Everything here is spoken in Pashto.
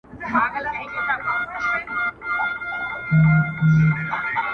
ښامار په زړه وهلی له کلو راهيسې